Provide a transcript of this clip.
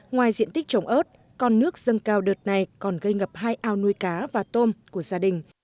ngoài diện tích trồng ớt con nước dâng cao đợt này còn gây ngập hai ao nuôi cá và tôm của gia đình